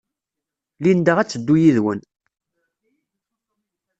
Linda ad teddu yid-wen.